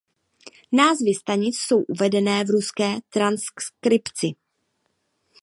Názvy stanic jsou uvedené v ruské transkripci.